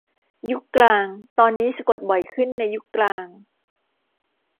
ยุคกลางตอนนี้สะกดบ่อยขึ้นในยุคกลาง